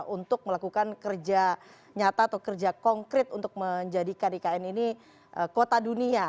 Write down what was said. untuk melakukan kerja nyata atau kerja konkret untuk menjadikan ikn ini kota dunia